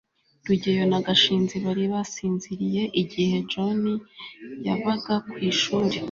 rugeyo na gashinzi bari basinziriye igihe john yavaga ku ishuri